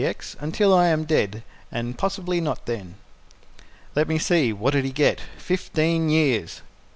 X., "until I am dead, and possibly not then." "Let me see, what did he get fifteen years!"